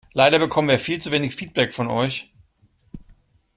Leider bekommen wir viel zu wenig Feedback von euch.